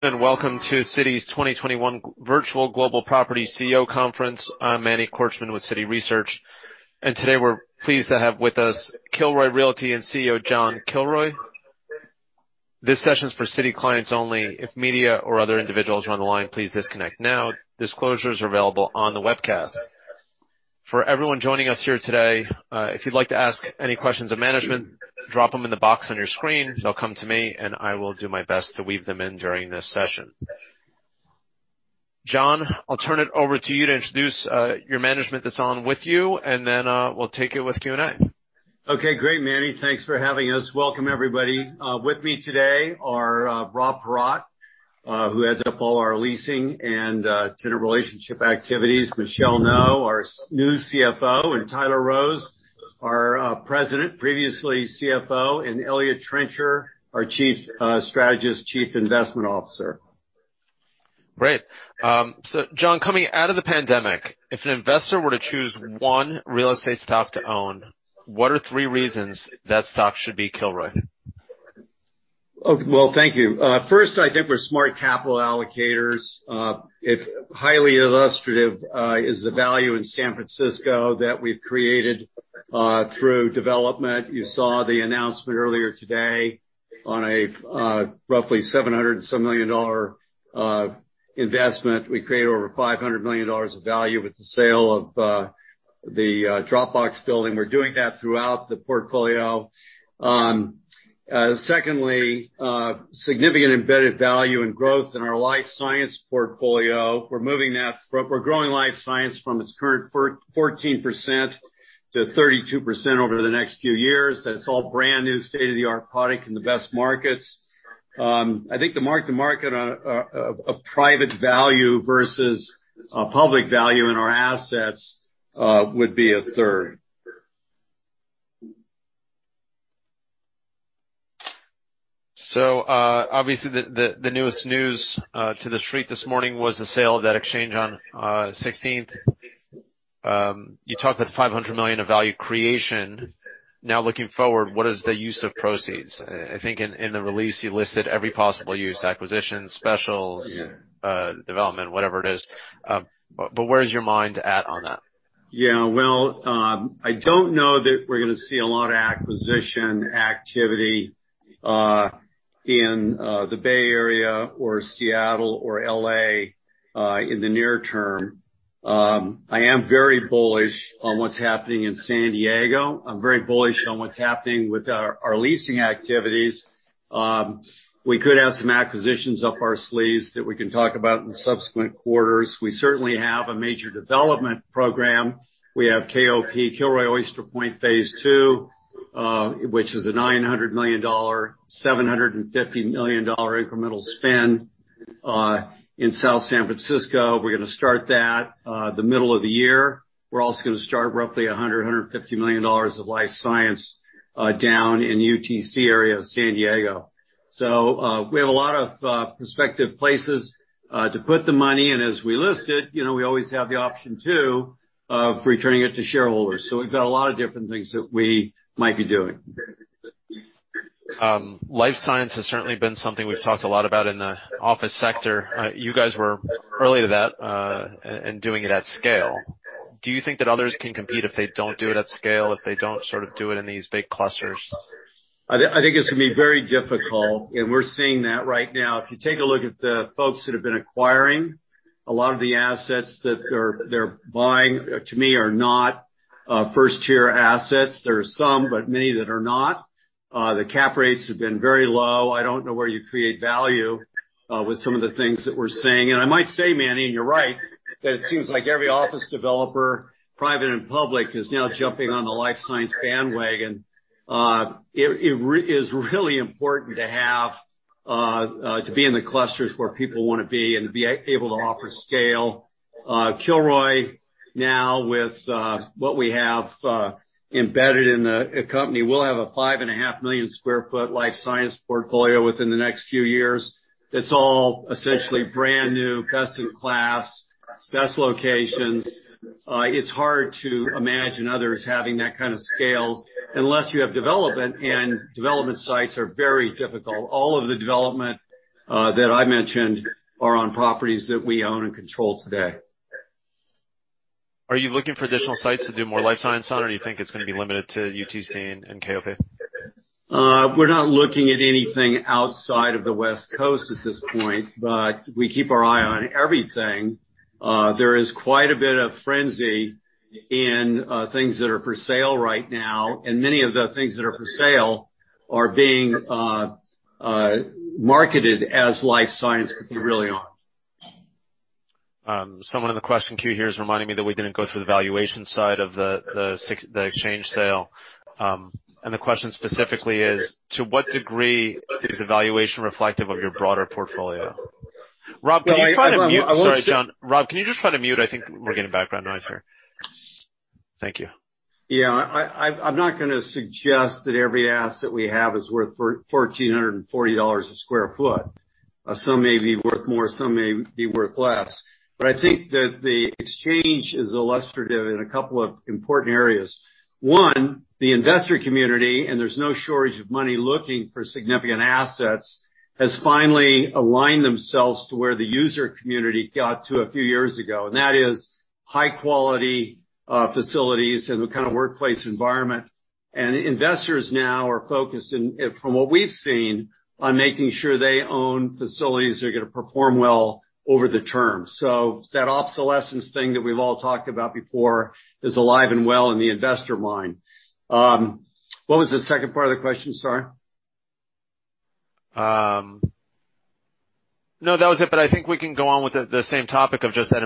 Welcome to Citi's 2021 Virtual Global Property CEO Conference. I'm Manny Korchman with Citi Research. Today we're pleased to have with us Kilroy Realty and CEO John Kilroy. This session's for Citi clients only. If media or other individuals are on the line, please disconnect now. Disclosures are available on the webcast. For everyone joining us here today, if you'd like to ask any questions of management, drop them in the box on your screen. They'll come to me, and I will do my best to weave them in during this session. John, I'll turn it over to you to introduce your management that's on with you, and then we'll take it with Q&A. Okay. Great, Manny. Thanks for having us. Welcome everybody. With me today are Rob Paratte, who heads up all our leasing and tenant relationship activities, Michelle Ngo, our new CFO, and Tyler Rose, our President, previously CFO, and Eliott Trencher, our Chief Strategist, Chief Investment Officer. Great. John, coming out of the pandemic, if an investor were to choose one real estate stock to own, what are three reasons that stock should be Kilroy? Well, thank you. First, I think we're smart capital allocators. If highly illustrative is the value in San Francisco that we've created through development. You saw the announcement earlier today on a roughly $700 and some million dollar investment. We created over $500 million of value with the sale of the Dropbox building. We're doing that throughout the portfolio. Secondly, significant embedded value and growth in our life science portfolio. We're growing life science from its current 14% to 32% over the next few years, and it's all brand new, state-of-the-art product in the best markets. I think the mark-to-market of private value versus public value in our assets would be 1/3. Obviously the newest news to the street this morning was the sale of that Exchange on 16th. You talked about $500 million of value creation. Now, looking forward, what is the use of proceeds? I think in the release you listed every possible use, acquisitions, specials development, whatever it is. Where's your mind at on that? Well, I don't know that we're going to see a lot of acquisition activity in the Bay Area or Seattle or L.A. in the near term. I am very bullish on what's happening in San Diego. I'm very bullish on what's happening with our leasing activities. We could have some acquisitions up our sleeves that we can talk about in subsequent quarters. We certainly have a major development program. We have KOP, Kilroy Oyster Point Phase 2, which is a $900 million, $750 million incremental spend, in South San Francisco. We're going to start that the middle of the year. We're also going to start roughly $100 million-$150 million of life science down in the UTC area of San Diego. We have a lot of prospective places to put the money, and as we listed, we always have the option too of returning it to shareholders. We've got a lot of different things that we might be doing. life science has certainly been something we've talked a lot about in the office sector. You guys were early to that, and doing it at scale. Do you think that others can compete if they don't do it at scale, if they don't sort of do it in these big clusters? I think it's going to be very difficult, and we're seeing that right now. If you take a look at the folks that have been acquiring, a lot of the assets that they're buying to me are not first-tier assets. There are some, but many that are not. The cap rates have been very low. I don't know where you create value with some of the things that we're seeing. I might say, Manny, and you're right, that it seems like every office developer, private and public, is now jumping on the life science bandwagon. It is really important to be in the clusters where people want to be and to be able to offer scale. Kilroy now with what we have embedded in the company, we'll have a 5.5 million sq ft life science portfolio within the next few years. That's all essentially brand new, custom class, best locations. It's hard to imagine others having that kind of scale unless you have development, and development sites are very difficult. All of the development that I mentioned are on properties that we own and control today. Are you looking for additional sites to do more life science on, or do you think it's going to be limited to UTC and KOP? We're not looking at anything outside of the West Coast at this point, but we keep our eye on everything. There is quite a bit of frenzy in things that are for sale right now, and many of the things that are for sale are being marketed as life science, but they really aren't. Someone in the question queue here is reminding me that we didn't go through the valuation side of the Exchange sale. The question specifically is, to what degree is the valuation reflective of your broader portfolio? Rob, can you try to mute? Sorry, John. Rob, can you just try to mute? I think we're getting background noise here. Thank you. Yeah. I'm not going to suggest that every asset we have is worth $1,440 a square foot. Some may be worth more, some may be worth less. I think that the Exchange is illustrative in a couple of important areas. One, the investor community, there's no shortage of money looking for significant assets has finally aligned themselves to where the user community got to a few years ago, and that is high-quality facilities and a kind of workplace environment. Investors now are focused, from what we've seen, on making sure they own facilities that are going to perform well over the term. That obsolescence thing that we've all talked about before is alive and well in the investor mind. What was the second part of the question? Sorry. No, that was it. I think we can go on with the same topic of just the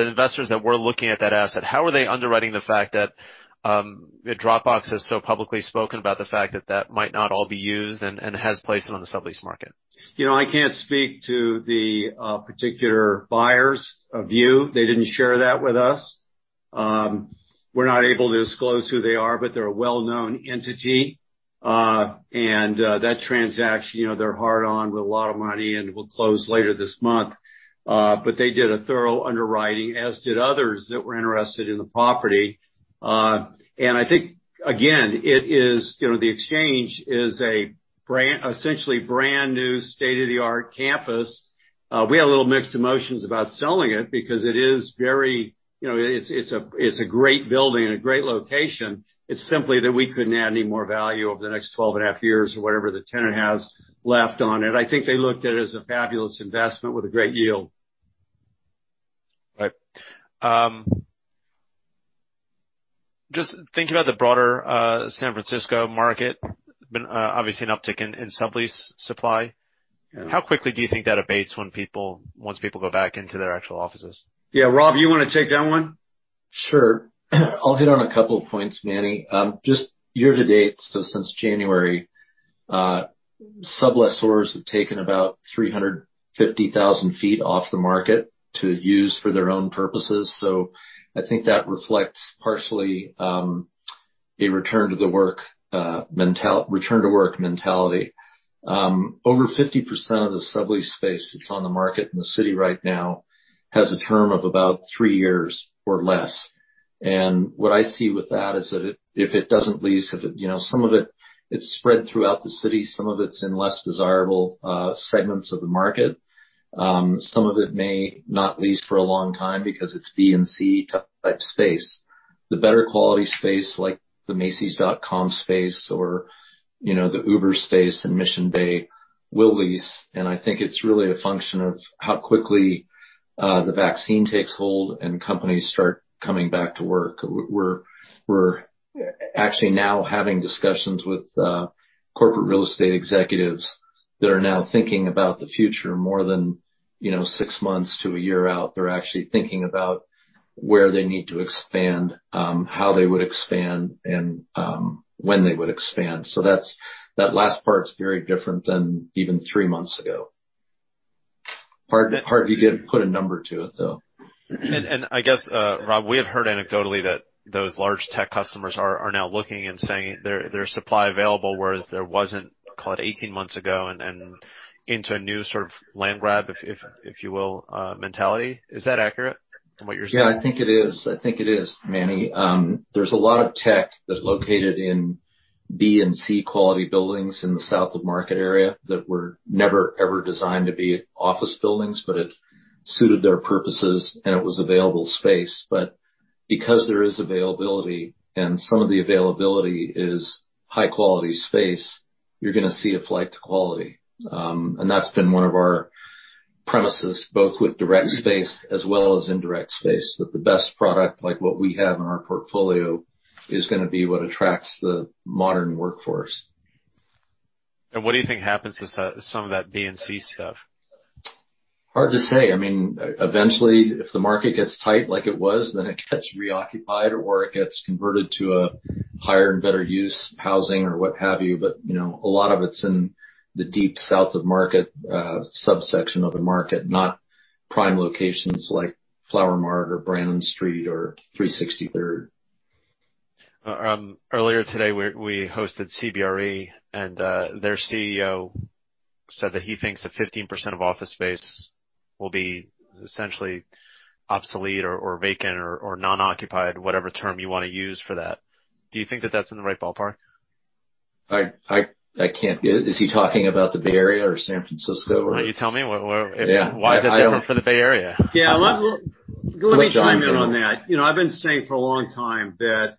investors that were looking at that asset. How are they underwriting the fact that Dropbox has so publicly spoken about the fact that that might not all be used and has placed it on the sublease market? I can't speak to the particular buyer's view. They didn't share that with us. We're not able to disclose who they are, but they're a well-known entity. That transaction, they're far along with a lot of money, and will close later this month. They did a thorough underwriting, as did others that were interested in the property. I think, again, The Exchange is essentially a brand-new state-of-the-art campus. We had a little mixed emotions about selling it because it's a great building and a great location. It's simply that we couldn't add any more value over the next 12.5 years or whatever the tenant has left on it. I think they looked at it as a fabulous investment with a great yield. Right. Just thinking about the broader San Francisco market, obviously an uptick in sublease supply. How quickly do you think that abates once people go back into their actual offices? Yeah. Rob, you want to take that one? Sure. I'll hit on a couple of points, Manny. Just year-to-date, since January, sublessors have taken about 350,000 feet off the market to use for their own purposes. I think that reflects partially a return to work mentality. Over 50% of the sublease space that's on the market in the city right now has a term of about three years or less. What I see with that is that if it doesn't lease, some of it is spread throughout the city, some of it's in less desirable segments of the market. Some of it may not lease for a long time because it's B and C type space. The better quality space, like the Macy's.com space, or the Uber space in Mission Bay, will lease, and I think it's really a function of how quickly the vaccine takes hold and companies start coming back to work. We're actually now having discussions with corporate real estate executives that are now thinking about the future more than six months to a year out. They're actually thinking about where they need to expand, how they would expand, and when they would expand. That last part's very different than even three months ago. Hard to put a number to it, though. I guess, Rob, we have heard anecdotally that those large tech customers are now looking and saying there's supply available, whereas there wasn't, call it 18 months ago, and into a new sort of land grab, if you will, mentality. Is that accurate from what you're seeing? Yeah, I think it is, Manny. There's a lot of tech that's located in B and C quality buildings in the South of Market area that were never ever designed to be office buildings, but it suited their purposes, and it was available space. Because there is availability, and some of the availability is high-quality space, you're going to see a flight to quality. That's been one of our premises, both with direct space as well as indirect space, that the best product, like what we have in our portfolio, is going to be what attracts the modern workforce. What do you think happens to some of that B and C stuff? Hard to say. Eventually, if the market gets tight like it was, then it gets reoccupied, or it gets converted to a higher and better use, housing or what have you. A lot of it's in the deep South of Market subsection of the market, not prime locations like Flower Mart or Brannan Street or 360 Third. Earlier today, we hosted CBRE, and their CEO said that he thinks that 15% of office space will be essentially obsolete or vacant or non-occupied, whatever term you want to use for that. Do you think that that's in the right ballpark? Is he talking about the Bay Area or San Francisco? You tell me. Why is that different for the Bay Area? Yeah. Let me chime in on that. I've been saying for a long time that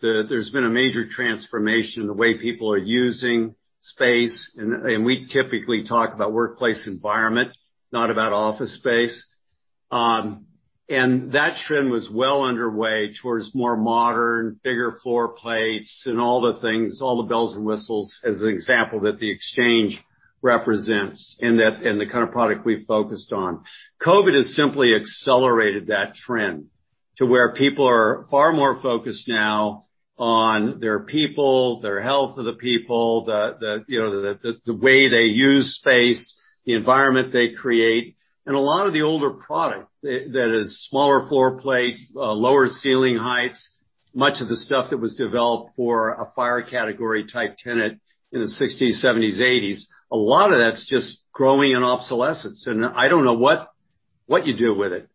there's been a major transformation in the way people are using space, and we typically talk about workplace environment, not about office space. That trend was well underway towards more modern, bigger floor plates and all the things, all the bells and whistles, as an example, that The Exchange represents and the kind of product we've focused on. COVID has simply accelerated that trend to where people are far more focused now on their people, their health of the people, the way they use space, the environment they create. A lot of the older product that is smaller floor plate, lower ceiling heights, much of the stuff that was developed for a fire category type tenant in the '60s, '70s, '80s, a lot of that's just growing in obsolescence. I don't know what you do with it.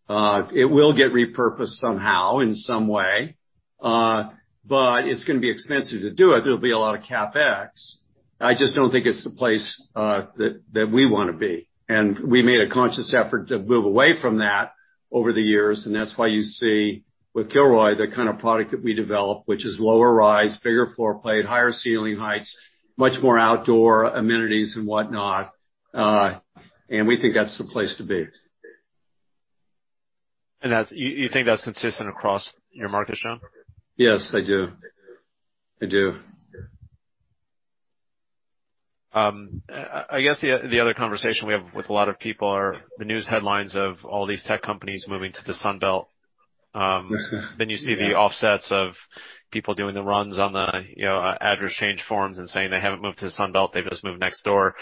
It will get repurposed somehow, in some way. It's going to be expensive to do it. There'll be a lot of CapEx. I just don't think it's the place that we want to be. We made a conscious effort to move away from that over the years, and that's why you see with Kilroy the kind of product that we develop, which is lower rise, bigger floor plate, higher ceiling heights, much more outdoor amenities and whatnot. We think that's the place to be. You think that's consistent across your market, John? Yes, I do. I do. I guess the other conversation we have with a lot of people are the news headlines of all these tech companies moving to the Sun Belt. You see the offsets of people doing the runs on the address change forms and saying they haven't moved to the Sun Belt, they've just moved next door.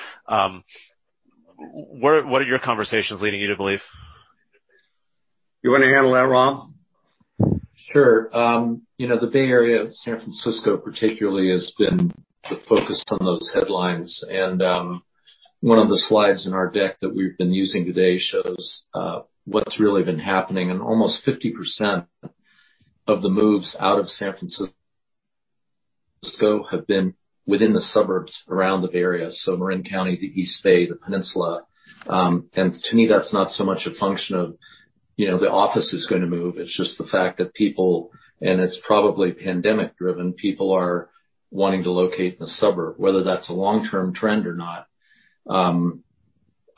What are your conversations leading you to believe? You want to handle that, Rob? Sure. The Bay Area, San Francisco particularly, has been the focus on those headlines. One of the slides in our deck that we've been using today shows what's really been happening, and almost 50% of the moves out of San Francisco have been within the suburbs around the Bay Area, so Marin County, the East Bay, the Peninsula. To me, that's not so much a function of the office is going to move. It's just the fact that people, and it's probably pandemic driven, people are wanting to locate in the suburb. Whether that's a long-term trend or not,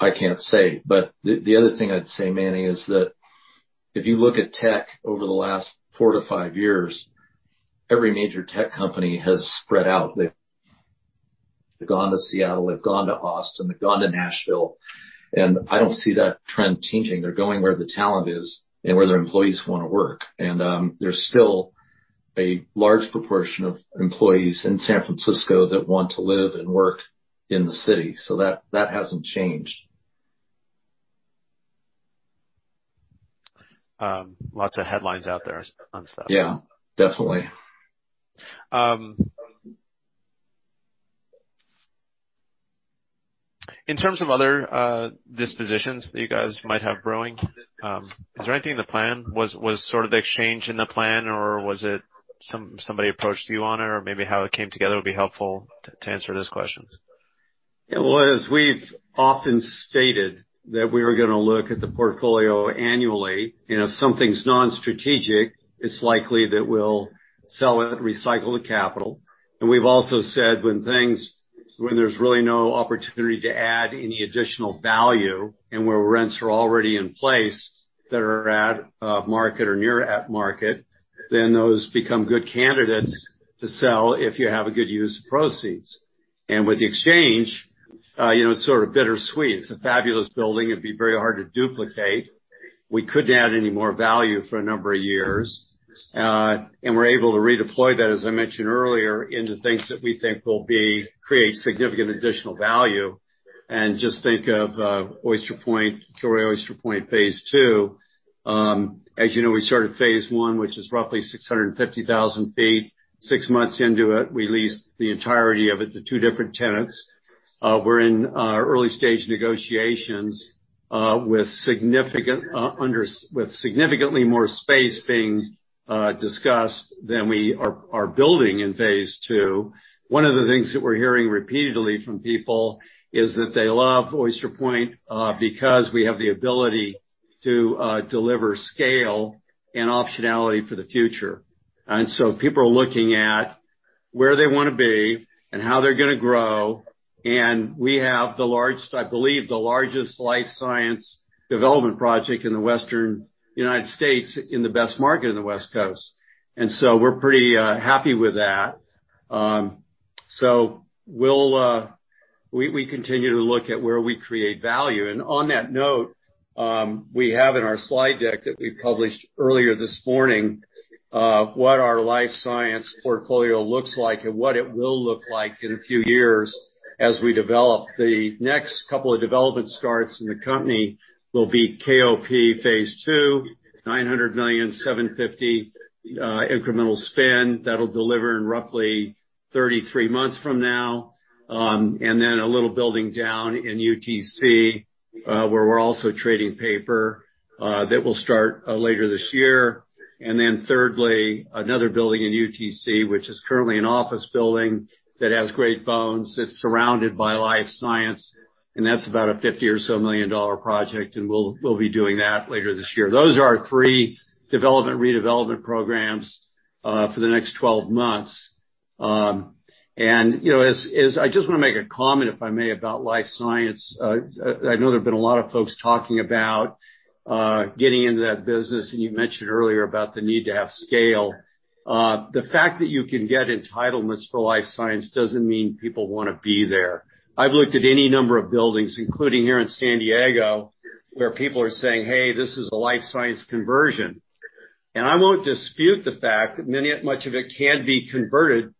I can't say. The other thing I'd say, Manny, is that if you look at tech over the last four to five years, every major tech company has spread out. They've gone to Seattle, they've gone to Austin, they've gone to Nashville. I don't see that trend changing. They're going where the talent is and where their employees want to work. There's still a large proportion of employees in San Francisco that want to live and work in the city. That hasn't changed. Lots of headlines out there on stuff. Yeah, definitely. In terms of other dispositions that you guys might have brewing, is there anything in the plan? Was sort of the exchange in the plan, or was it somebody approached you on it, or maybe how it came together would be helpful to answer this question. Yeah. Well, as we've often stated, that we are going to look at the portfolio annually. If something's non-strategic, it's likely that we'll sell it, recycle the capital. We've also said when there's really no opportunity to add any additional value, and where rents are already in place that are at market or near at market, then those become good candidates to sell if you have a good use of proceeds. With the Exchange, it's sort of bittersweet. It's a fabulous building, it'd be very hard to duplicate. We couldn't add any more value for a number of years. We're able to redeploy that, as I mentioned earlier, into things that we think will create significant additional value. Just think of Oyster Point, Kilroy Oyster Point Phase 2. As you know, we started Phase 1, which is roughly 650,000 ft. Six months into it, we leased the entirety of it to two different tenants. We're in early-stage negotiations, with significantly more space being discussed than we are building in Phase 2. One of the things that we're hearing repeatedly from people is that they love Oyster Point because we have the ability to deliver scale and optionality for the future. People are looking at where they want to be and how they're going to grow. We have the largest, I believe the largest life science development project in the Western United States in the best market in the West Coast. We're pretty happy with that. We continue to look at where we create value. On that note, we have in our slide deck that we published earlier this morning, what our life science portfolio looks like and what it will look like in a few years as we develop. The next couple of development starts in the company will be KOP Phase 2, $900 million, $750 million incremental spend. That'll deliver in roughly 33 months from now. Then a little building down in UTC, where we're also trading paper, that will start later this year. Then thirdly, another building in UTC, which is currently an office building that has great bones. It's surrounded by life science, and that's about a $50 million or so project, and we'll be doing that later this year. Those are our three development, redevelopment programs for the next 12 months. I just want to make a comment, if I may, about life science. I know there have been a lot of folks talking about getting into that business, and you mentioned earlier about the need to have scale. The fact that you can get entitlements for life science doesn't mean people want to be there. I've looked at any number of buildings, including here in San Diego, where people are saying, "Hey, this is a life science conversion." I won't dispute the fact that much of it can be converted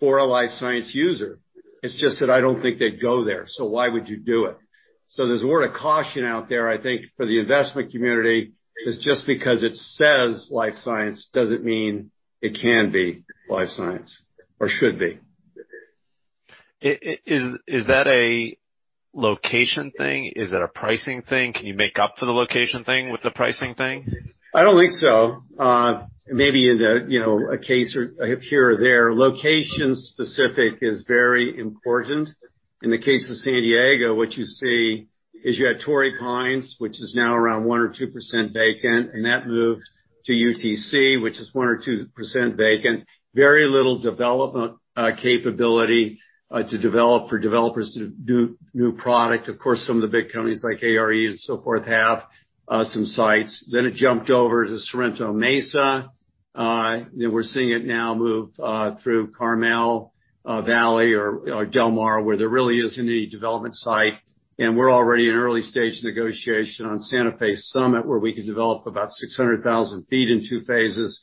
for a life science user. It's just that I don't think they'd go there. Why would you do it? There's a word of caution out there, I think, for the investment community, is just because it says life science doesn't mean it can be life science or should be. Is that a location thing? Is it a pricing thing? Can you make up for the location thing with the pricing thing? I don't think so. Maybe in a case here or there. Location-specific is very important. In the case of San Diego, what you see is you had Torrey Pines, which is now around 1% or 2% vacant, and that moved to UTC, which is 1% or 2% vacant. Very little development capability to develop for developers to do new product. Of course, some of the big companies like ARE and so forth have some sites. It jumped over to Sorrento Mesa. We're seeing it now move through Carmel Valley or Del Mar, where there really isn't any development site. We're already in early-stage negotiation on Santa Fe Summit, where we can develop about 600,000 ft in two phases.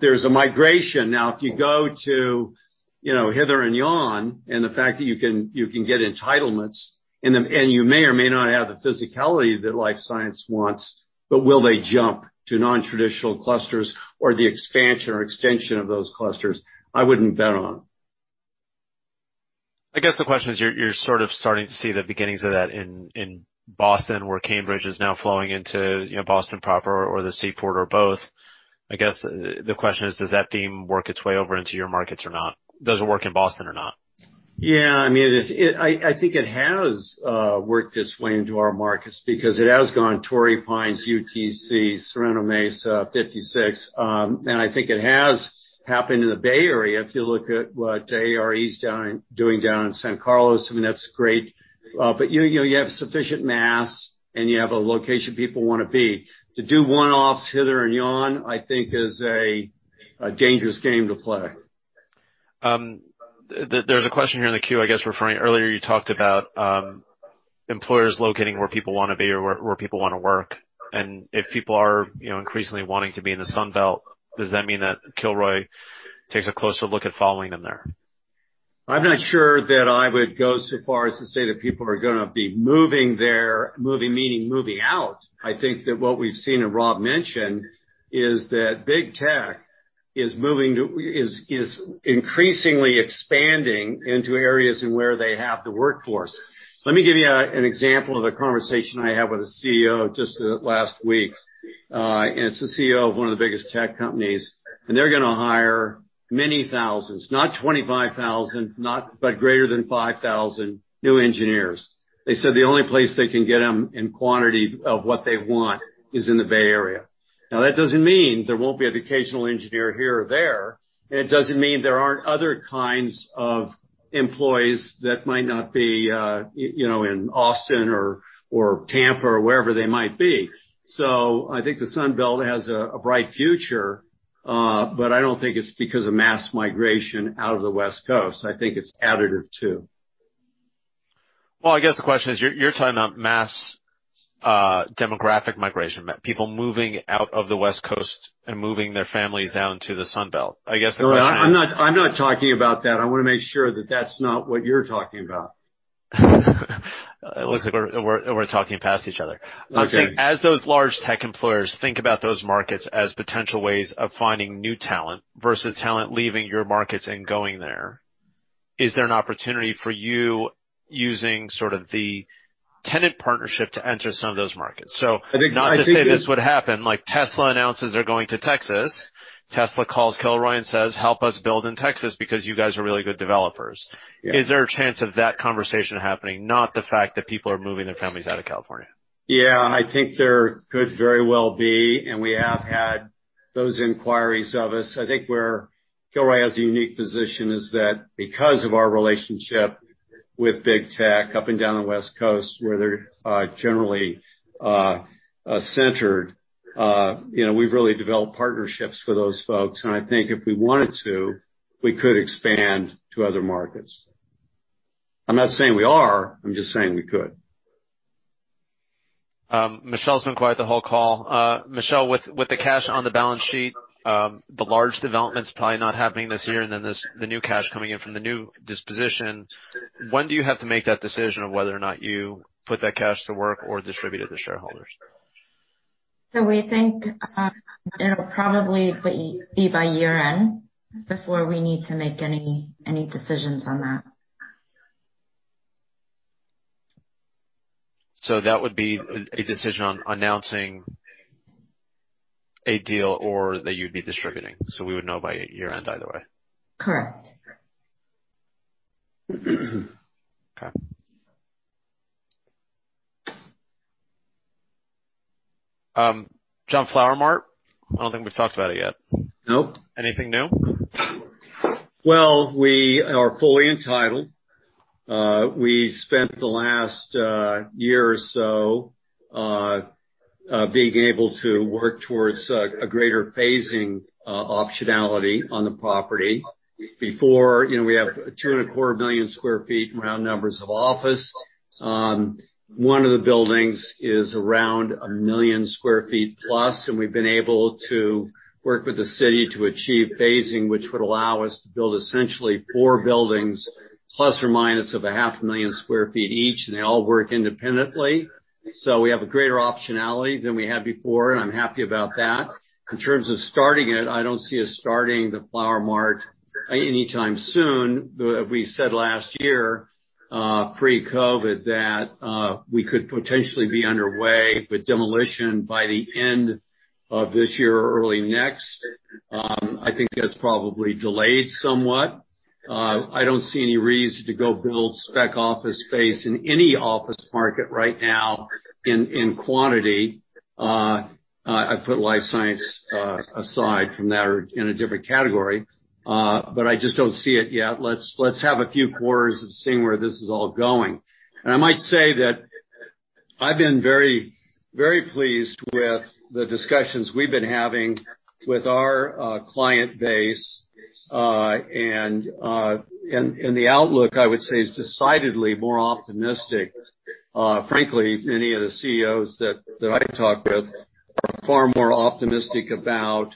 There's a migration. Now, if you go to hither and yon, and the fact that you can get entitlements, and you may or may not have the physicality that life science wants, but will they jump to non-traditional clusters or the expansion or extension of those clusters? I wouldn't bet on. I guess the question is, you're sort of starting to see the beginnings of that in Boston, where Cambridge is now flowing into Boston proper or the Seaport or both. I guess the question is, does that theme work its way over into your markets or not? Does it work in Boston or not? Yeah. I think it has worked its way into our markets because it has gone Torrey Pines, UTC, Sorrento Mesa, 56. I think it has happened in the Bay Area. If you look at what ARE is doing down in San Carlos, I mean, that's great. You have sufficient mass, and you have a location people want to be. To do one-offs hither and yon, I think is a dangerous game to play. There's a question here in the queue, I guess, referring earlier, you talked about employers locating where people want to be or where people want to work. If people are increasingly wanting to be in the Sun Belt, does that mean that Kilroy takes a closer look at following them there? I'm not sure that I would go so far as to say that people are going to be moving there, moving meaning moving out. I think that what we've seen, and Rob mentioned, is that big tech is increasingly expanding into areas in where they have the workforce. Let me give you an example of the conversation I had with a CEO just last week. It's the CEO of one of the biggest tech companies, and they're going to hire many thousands, not 25,000, but greater than 5,000 new engineers. They said the only place they can get them in quantity of what they want is in the Bay Area. Now, that doesn't mean there won't be an occasional engineer here or there, and it doesn't mean there aren't other kinds of employees that might not be in Austin or Tampa or wherever they might be. I think the Sun Belt has a bright future. I don't think it's because of mass migration out of the West Coast. I think it's additive too. I guess the question is, you're talking about mass demographic migration, people moving out of the West Coast and moving their families down to the Sun Belt. No, I'm not talking about that. I want to make sure that that's not what you're talking about. It looks like we're talking past each other. I'm saying as those large tech employers think about those markets as potential ways of finding new talent versus talent leaving your markets and going there, is there an opportunity for you using sort of the tenant partnership to enter some of those markets? Not to say this would happen, like Tesla announces they're going to Texas. Tesla calls Kilroy and says, "Help us build in Texas because you guys are really good developers. Yeah. Is there a chance of that conversation happening? Not the fact that people are moving their families out of California. Yeah. I think there could very well be, and we have had those inquiries of us. I think where Kilroy has a unique position is that because of our relationship with big tech up and down the West Coast, where they're generally centered, we've really developed partnerships with those folks. I think if we wanted to, we could expand to other markets. I'm not saying we are. I'm just saying we could. Michelle's been quiet the whole call. Michelle, with the cash on the balance sheet, the large developments probably not happening this year, and then the new cash coming in from the new disposition, when do you have to make that decision of whether or not you put that cash to work or distribute it to shareholders? We think it'll probably be by year-end before we need to make any decisions on that. That would be a decision on announcing a deal or that you'd be distributing. We would know by year-end either way. Correct. Okay. John, Flower Mart, I don't think we've talked about it yet. Nope. Anything new? Well, we are fully entitled. We spent the last year or so being able to work towards a greater phasing optionality on the property. Before, we have 2.25 million sq ft in round numbers of office. One of the buildings is around 1 million sq ft plus, and we've been able to work with the city to achieve phasing, which would allow us to build essentially four buildings, ±500,000 sq ft each, and they all work independently. We have a greater optionality than we had before, and I'm happy about that. In terms of starting it, I don't see us starting the Flower Mart anytime soon. We said last year, pre-COVID, that we could potentially be underway with demolition by the end of this year or early next. I think that's probably delayed somewhat. I don't see any reason to go build spec office space in any office market right now in quantity. I put life science aside from that or in a different category. I just don't see it yet. Let's have a few quarters of seeing where this is all going. I might say that I've been very pleased with the discussions we've been having with our client base. The outlook, I would say is decidedly more optimistic. Frankly, many of the CEOs that I talk with are far more optimistic about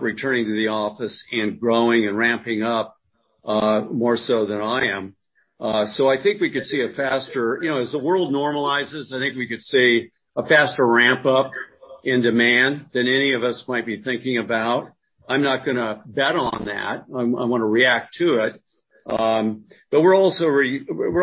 returning to the office and growing and ramping up, more so than I am. As the world normalizes, I think we could see a faster ramp-up in demand than any of us might be thinking about. I'm not going to bet on that. I'm going to react to it. We're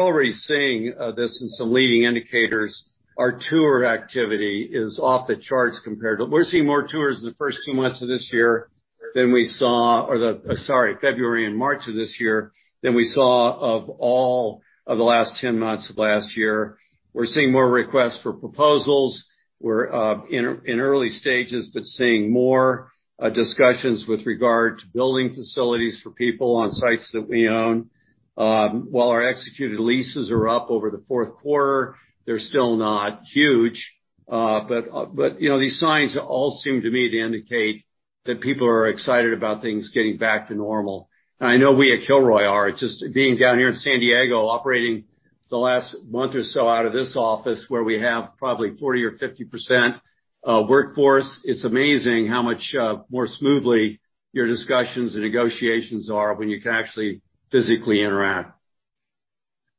already seeing this in some leading indicators. Our tour activity is off the charts. We're seeing more tours in the first two months of this year than we saw, sorry, February and March of this year than we saw of all of the last 10 months of last year. We're seeing more requests for proposals. We're in early stages, seeing more discussions with regard to building facilities for people on sites that we own. While our executed leases are up over the Q4, they're still not huge. These signs all seem to me to indicate that people are excited about things getting back to normal. I know we at Kilroy are. Just being down here in San Diego, operating the last month or so out of this office, where we have probably 40% or 50% workforce, it's amazing how much more smoothly your discussions and negotiations are when you can actually physically interact.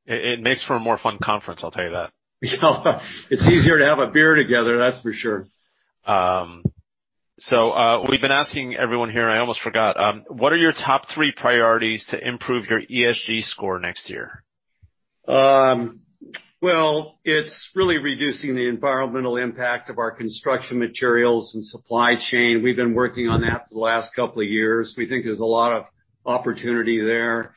It makes for a more fun conference, I'll tell you that. It's easier to have a beer together, that's for sure. We've been asking everyone here, I almost forgot. What are your top three priorities to improve your ESG score next year? Well, it's really reducing the environmental impact of our construction materials and supply chain. We've been working on that for the last couple of years. We think there's a lot of opportunity there.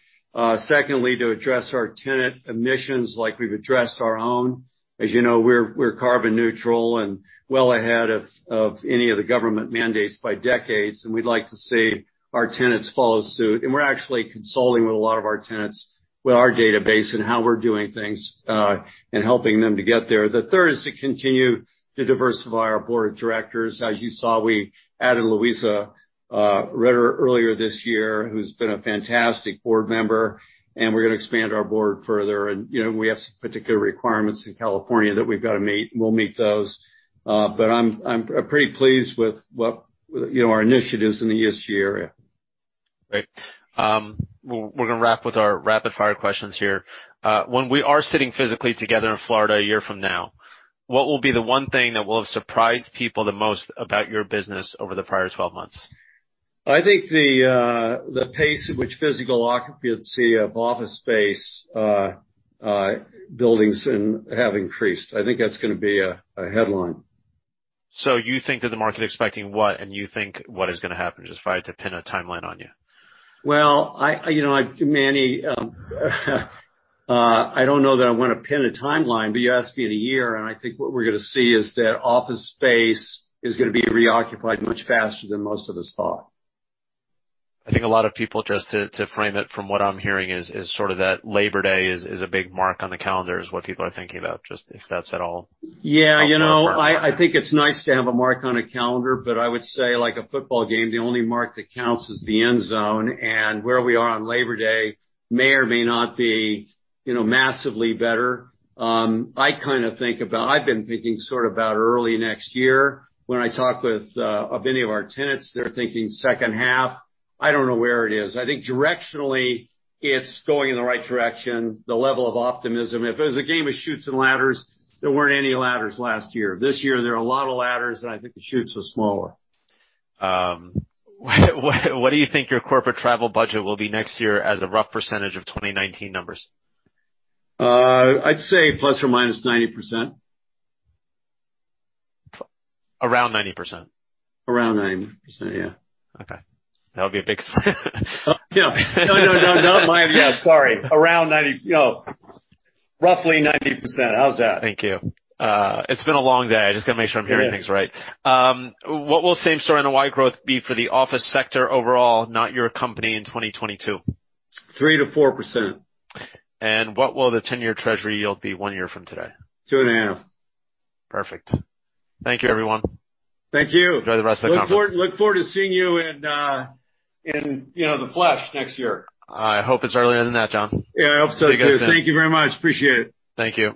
Secondly, to address our tenant emissions like we've addressed our own. As you know, we're carbon neutral and well ahead of any of the government mandates by decades, and we'd like to see our tenants follow suit. We're actually consulting with a lot of our tenants with our database and how we're doing things, and helping them to get there. The third is to continue to diversify our Board of Directors. As you saw, we added Louisa Ritter earlier this year, who's been a fantastic board member, and we're going to expand our board further. We have some particular requirements in California that we've got to meet, and we'll meet those. I'm pretty pleased with our initiatives in the ESG area. Great. We're going to wrap with our rapid fire questions here. When we are sitting physically together in Florida a year from now, what will be the one thing that will have surprised people the most about your business over the prior 12 months? I think the pace at which physical occupancy of office space buildings have increased. I think that's going to be a headline. You think that the market expecting what, and you think what is going to happen, just if I had to pin a timeline on you? Well, Manny I don't know that I want to pin a timeline, but you asked me in a year, and I think what we're going to see is that office space is going to be reoccupied much faster than most of us thought. I think a lot of people, just to frame it from what I'm hearing, is sort of that Labor Day is a big mark on the calendar, is what people are thinking about. Just if that's at all helpful. Yeah. I think it's nice to have a mark on a calendar. I would say like a football game, the only mark that counts is the end zone. Where we are on Labor Day may or may not be massively better. I've been thinking sort of about early next year. When I talk with many of our tenants, they're thinking second half. I don't know where it is. I think directionally, it's going in the right direction, the level of optimism. If it was a game of Chutes and Ladders, there weren't any ladders last year. This year, there are a lot of ladders, and I think the chutes was smaller. What do you think your corporate travel budget will be next year as a rough percentage of 2019 numbers? I'd say ±90%. Around 90%? Around 90%, yeah. Okay. That would be a big swing. Yeah. No, no. My Yeah, sorry. Roughly 90%. How's that? Thank you. It's been a long day. I've just got to make sure I'm hearing things right. Yeah. What will same store NOI growth be for the office sector overall, not your company, in 2022? 3%-4%. What will the 10-year Treasury yield be one year from today? 2.5%. Perfect. Thank you, everyone. Thank you. Enjoy the rest of the conference. Look forward to seeing you in the flesh next year. I hope it's earlier than that, John. Yeah, I hope so too. See you guys then. Thank you very much. Appreciate it. Thank you.